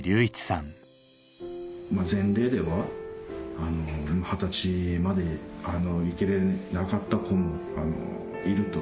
前例では二十歳まで生きれなかった子もいると。